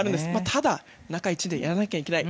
ただ、中１日でやらなければいけない。